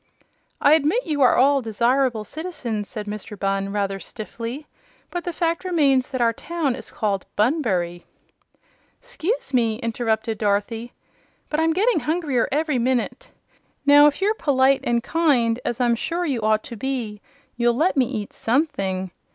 "I admit you are all desirable citizens," said Mr. Bunn rather stiffly; "but the fact remains that our town is called Bunbury." "'Scuse me," interrupted Dorothy; "but I'm getting hungrier every minute. Now, if you're polite and kind, as I'm sure you ought to be, you'll let me eat SOMETHING.